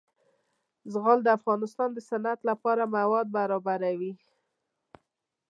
زغال د افغانستان د صنعت لپاره مواد برابروي.